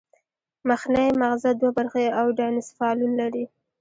مخنی مغزه دوه برخې او ډاینسفالون لري